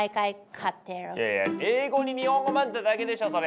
いやいや英語に日本語交ぜただけでしょそれ！